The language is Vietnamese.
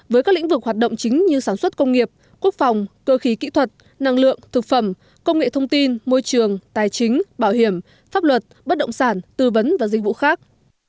với các lĩnh vực hoạt động chính như sản xuất công nghiệp quốc phòng cơ khí kỹ thuật năng lượng thực phẩm công nghệ thông tin môi trường tài chính bảo hiểm pháp luật bất động sản tư vấn và dịch vụ khác